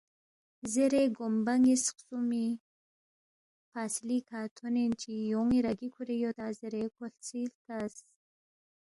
“ زیرے گومبہ نِ٘یس خسُومی فاصلی کھہ تھونین چی یون٘ی رَگی کُھورے یودا زیرےکھو سی ہلتس